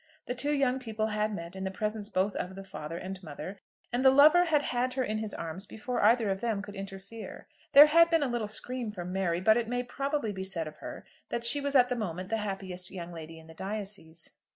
The two young people had met in the presence both of the father and mother, and the lover had had her in his arms before either of them could interfere. There had been a little scream from Mary, but it may probably be said of her that she was at the moment the happiest young lady in the diocese.